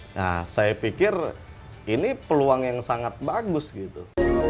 nah saya pikir ini peluang yang sangat bagus gitu